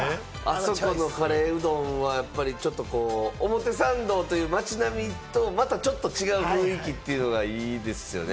あそこのカレーうどんは表参道という街並みと、またちょっと違う雰囲気というのがいいですよね。